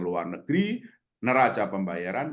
luar negeri neraca pembayaran